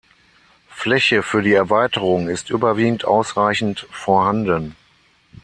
Fläche für die Erweiterung ist überwiegend ausreichend vorhanden.